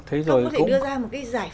thế rồi cũng